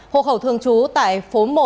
hồ khẩu thương chú tại phố một